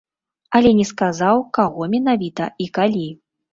Але не сказаў, каго менавіта і калі.